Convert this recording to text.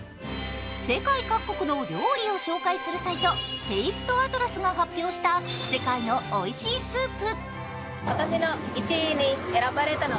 世界各国の料理を紹介するサイトＴａｓｔｅＡｔｌａｓが発表した世界のおいしいスープ。